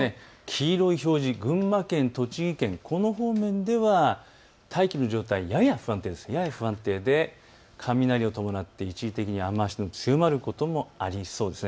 黄色い表示、群馬県、栃木県、この方面では大気の状態、やや不安定で雷を伴って一時的に雨足の強まることもありそうです。